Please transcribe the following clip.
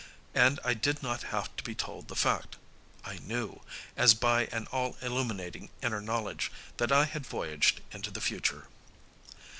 And I did not have to be told the fact; I knew, as by an all illuminating inner knowledge, that I had voyaged into the future.